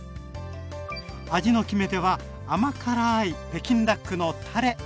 味の決め手は甘辛い北京ダックのたれ！